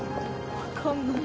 わかんない。